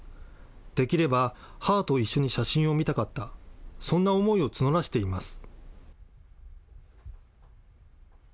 できれば母と一緒に写真を見たかった、そんな思いを募らせています。